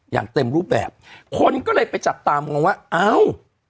อย่างเต็มรูปแบบคนก็เลยไปจับตามองว่าเอ้า